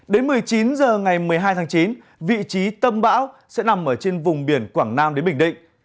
đến một mươi chín h ngày một mươi hai tháng chín vị trí tâm bão sẽ nằm ở trên vùng biển quảng nam đến bình định